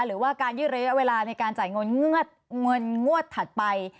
หรือว่าการยืดระยะเวลาในการจ่ายเงินงวดถัดไป